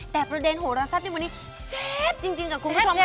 แต่ประเด็นห่วงรอดเซปเต๊ะวันนี้ขึ้นจริงกับคุณผู้ชมค่ะ